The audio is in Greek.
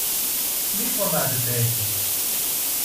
Μη φωνάζετε έτσι!